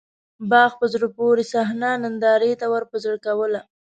باغ په زړه پورې صحنه نندارې ته ورپه زړه کوله.